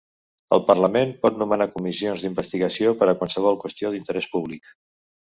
El parlament pot nomenar comissions d'investigació per a qualsevol qüestió d'interès públic.